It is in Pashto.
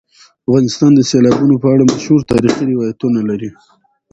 افغانستان د سیلابونو په اړه مشهور تاریخی روایتونه لري.